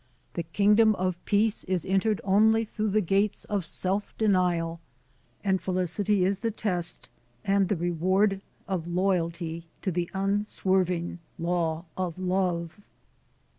The kingdom of peace is entered only 1 through the gates of self denial ; and felicity is the I test and the reward of loyalty to the unswerving / law of Love."